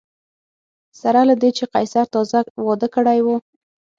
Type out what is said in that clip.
سره له دې چې قیصر تازه واده کړی و